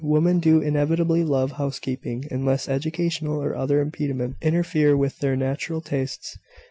Women do inevitably love housekeeping, unless educational or other impediments interfere with their natural tastes.